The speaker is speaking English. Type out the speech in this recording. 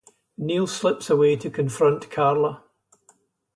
Neale slips away to confront Carla.